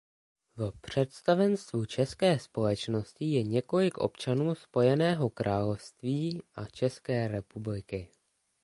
V představenstvu české společnosti je několik občanů Spojeného království a České republiky.